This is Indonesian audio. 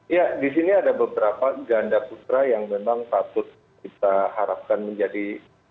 ya di sini ada beberapa ganda putra yang memang patut kita harapkan menjadi